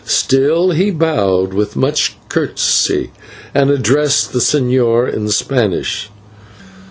Still he bowed with much courtesy and addressed the señor in Spanish.